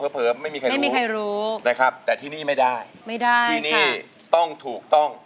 เผอบไม่มีใครรู้นะครับแต่ที่นี่ไม่ได้ที่นี่ต้องถูกต้อง